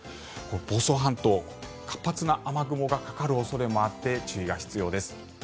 房総半島活発な雨雲がかかる恐れもあって注意が必要です。